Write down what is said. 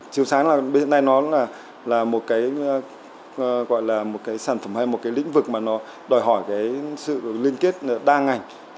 chiều sáng đến nay nó là một cái sản phẩm hay một cái lĩnh vực mà nó đòi hỏi cái sự liên kết đa ngành